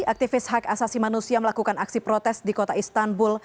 aktivis hak asasi manusia melakukan aksi protes di kota istanbul